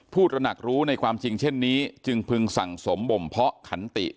ตระหนักรู้ในความจริงเช่นนี้จึงพึงสั่งสมบ่มเพาะขันติ